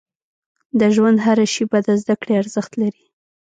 • د ژوند هره شیبه د زده کړې ارزښت لري.